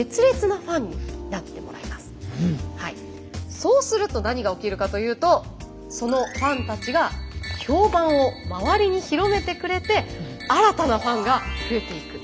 そうすると何が起きるかというとそのファンたちが評判を周りに広めてくれて新たなファンが増えていく。